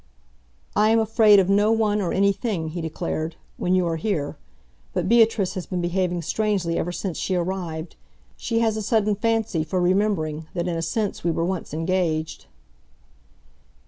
"I am afraid of no one or anything," he declared, "when you are here! But Beatrice has been behaving strangely ever since she arrived. She has a sudden fancy for remembering that in a sense we were once engaged."